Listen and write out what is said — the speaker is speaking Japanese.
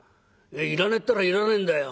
いらねえったらいらねえんだよ」。